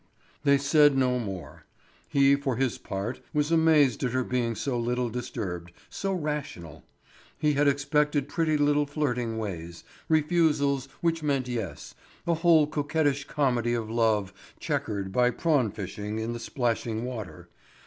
They said no more. He, for his part, was amazed at her being so little disturbed, so rational. He had expected pretty little flirting ways, refusals which meant yes, a whole coquettish comedy of love chequered by prawn fishing in the splashing water.